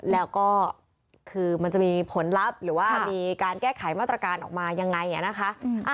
แล้วก็คือมันจะมีผลลัพธ์หรือว่ามีการแก้ไขมาตรการออกมายังไงนะคะ